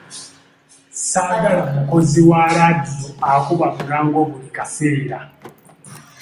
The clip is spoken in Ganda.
Ssaagala mukozi wa laadiyo akuba bulango buli kaseere.